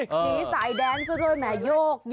ผีสายแด๋แซว่โยกผีเลย